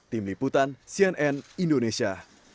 tim liputan cnn indonesia